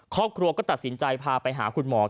ครอบครัวก็ตัดสินใจพาไปหาคุณหมอ